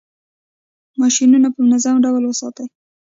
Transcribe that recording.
ماشینونه په منظم ډول وساتئ.